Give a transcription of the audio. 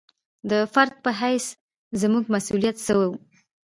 د فرد په حیث زموږ مسوولیت څه وي.